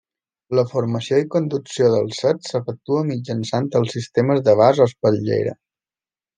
La formació i conducció dels ceps s'efectua mitjançant els sistemes de vas o espatllera.